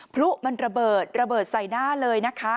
พลุมันระเบิดระเบิดใส่หน้าเลยนะคะ